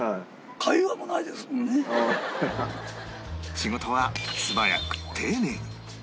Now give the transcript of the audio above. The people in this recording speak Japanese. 仕事は素早く丁寧に